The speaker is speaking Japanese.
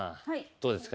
どうですか？